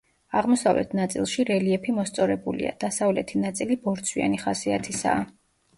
აღმოსავლეთ ნაწილში რელიეფი მოსწორებულია, დასავლეთი ნაწილი ბორცვიანი ხასიათისაა.